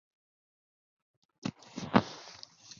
梁嘉铭曾就读和约克大学。